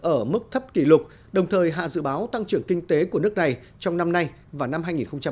ở mức thấp kỷ lục đồng thời hạ dự báo tăng trưởng kinh tế của nước này trong năm nay và năm hai nghìn hai mươi